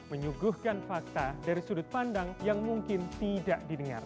menyuguhkan fakta dari sudut pandang yang mungkin tidak didengar